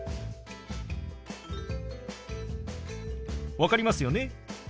分かりますよね？